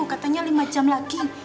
katanya lima jam lagi